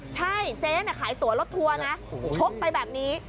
ใช่เจ๊ขายตัวรถทัวร์นะชกไปแบบนี้